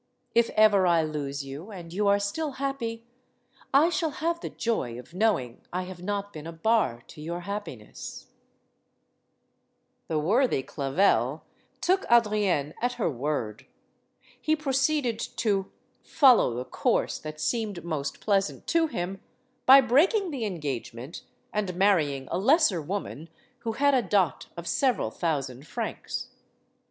If ever I lose you and you are still happy, I shall have the joy of knowing 1 have not been a bar to your happiness. ADRIENNE LECOUVREUR 119 The worthy Clavel took Adrienne at her word. He proceeded to "follow the course that seemed most pleasant to him" by breaking the engagement and marrying a lesser woman who had a dot of several thousand francs.